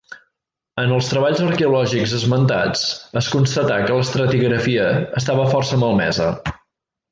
En els treballs arqueològics esmentats, es constatà que l'estratigrafia estava força malmesa.